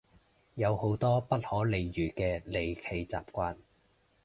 有好多不可理喻嘅離奇習慣